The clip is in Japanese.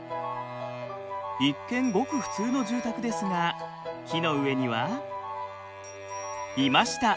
一見ごく普通の住宅ですが木の上にはいました！